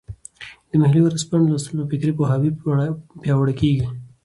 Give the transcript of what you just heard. د محلي ورځپاڼو لوستل به فکري پوهاوي پیاوړی کړي.